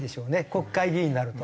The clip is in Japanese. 国会議員になると。